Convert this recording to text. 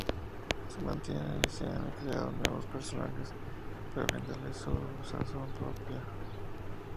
Se mantienen y se han creado nuevos personajes para brindarle su sazón propia.